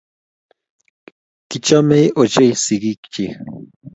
Kichomei ochei sikiik chiik.